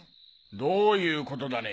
どういうことだね？